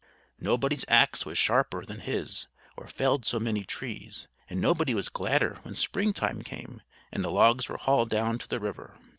Nobody's ax was sharper than his or felled so many trees, and nobody was gladder when Spring time came and the logs were hauled down to the river.